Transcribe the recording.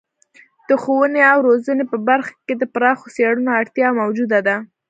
د ښوونې او روزنې په برخه کې د پراخو څیړنو اړتیا موجوده ده.